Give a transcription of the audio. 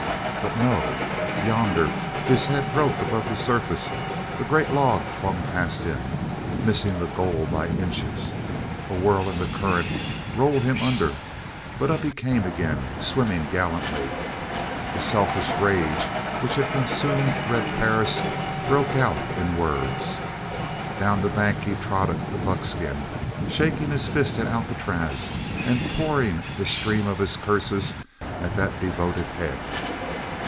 But no, yonder his head broke above the surface a great log flung past him, missing the goal by inches a whirl in the current rolled him under, but up he came again, swimming gallantly. The selfish rage which had consumed Red Perris broke out in words. Down the bank he trotted the buckskin, shaking his fist at Alcatraz and pouring the stream of his curses at that devoted head.